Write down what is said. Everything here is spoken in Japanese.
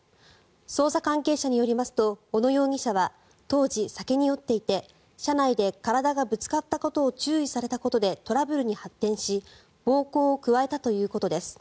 捜査関係者によりますと小野容疑者は当時酒に酔っていて車内で体がぶつかったことを注意されたことでトラブルに発展し暴行を加えたということです。